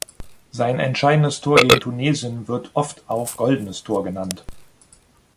Sein entscheidendes Tor gegen Tunesien wird oft auch "goldenes Tor" genannt.